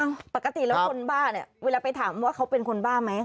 ปกติแล้วคนบ้าเนี่ยเวลาไปถามว่าเขาเป็นคนบ้าไหม